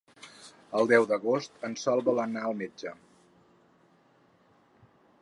El deu d'agost en Sol vol anar al metge.